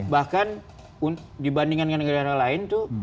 bahkan dibandingkan dengan negara negara lain itu